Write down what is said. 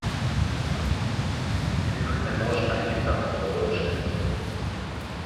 Тих не можна і так продовжити.